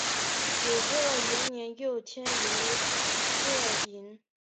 子杜延年又迁于杜陵。